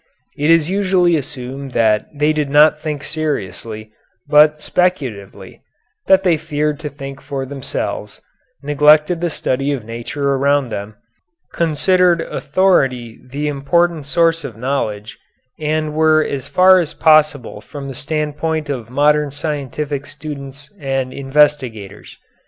It is usually assumed that they did not think seriously, but speculatively, that they feared to think for themselves, neglected the study of nature around them, considered authority the important source of knowledge, and were as far as possible from the standpoint of modern scientific students and investigators.